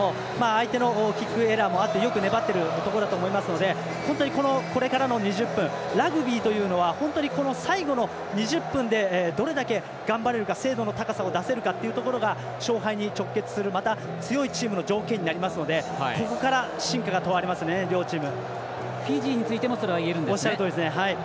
フィジーに攻められるところ後半ありましたけれども相手のキックエラーもあってよく粘っているところだと思いますので本当にこれからの２０分ラグビーというのは本当に最後の２０分でどれだけ頑張れるか精度の高さを出せるかというところが勝敗に直結する、また強いチームの条件になりますのでここから、真価が問われますね両チーム。